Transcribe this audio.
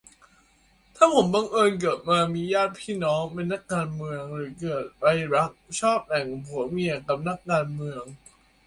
ถ้าผมบังเอิญเกิดมามีญาติพี่น้องเป็นนักการเมือง หรือเกิดไปรักชอบแต่งผัวเมียกับนักการเมือง